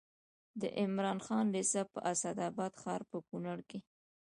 د عمراخان لېسه په اسداباد ښار یا کونړ کې